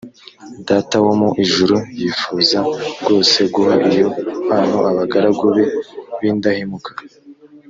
data wo mu ijuru yifuza rwose guha iyo mpano abagaragu be b’indahemuka